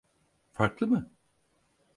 Farklı mı?